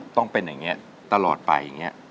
ต้องเป็นอย่างนี้ตลอดไปอย่างนี้